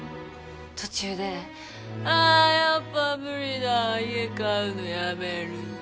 途中で「あやっぱ無理だぁ家買うのやめる」